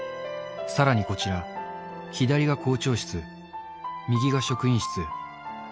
さらにこちら、左が校長室、右が職員室。